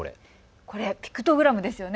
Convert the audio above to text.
これ、ピクトグラムですよね。